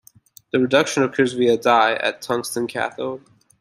The reduction occurs via Dy, at a tungsten cathode.